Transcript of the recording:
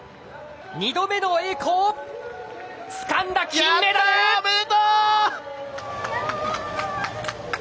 ２度目の栄光をつかんだ金メダル。